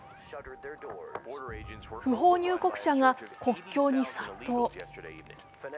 不法入国者が国境に殺到。